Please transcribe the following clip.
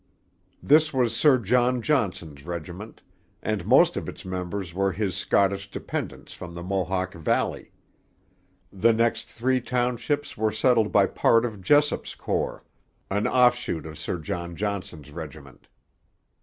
This was Sir John Johnson's regiment, and most of its members were his Scottish dependants from the Mohawk valley. The next three townships were settled by part of Jessup's Corps, an offshoot of Sir John Johnson's regiment.